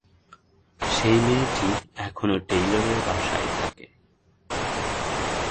সেই মেয়েটি এখনও টেইলরের বাসায় থাকে।